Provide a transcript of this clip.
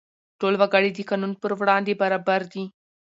ټول وګړي د قانون پر وړاندې برابر دي.